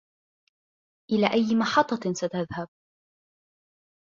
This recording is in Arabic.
إلى أي محطة ستذهب ؟